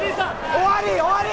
終わり終わり！